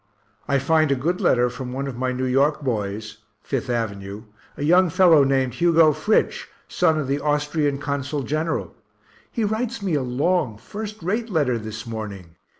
I find a good letter from one of my New York boys, (Fifth avenue) a young fellow named Hugo Fritsch, son of the Austrian Consul General he writes me a long, first rate letter this morning.